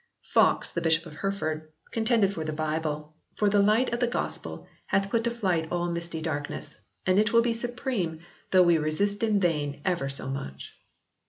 Foxe, the Bishop of Hereford, con tended for the Bible, for the light of the Gospel hath put to flight all misty darkness, and it will be supreme "though we resist in vain ever so much."